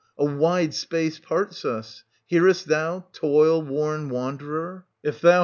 — A wide space parts us; hearest thou, toil worn wanderer.? OEDIPUS AT COLONUS.